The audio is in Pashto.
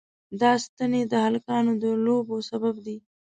دا ستنې د هلکانو د لوبو سبب دي.